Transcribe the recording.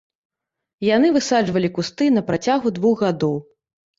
Яны высаджвалі кусты на працягу двух гадоў.